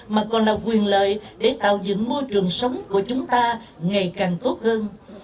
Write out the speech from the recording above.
mà còn là quyền lợi để tạo dựng môi trường sống của chúng ta ngày càng tốt hơn